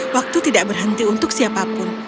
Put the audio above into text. waktu tidak berhenti untuk siapapun